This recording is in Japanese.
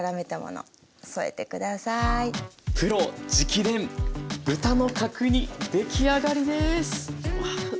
プロ直伝豚の角煮出来上がりです！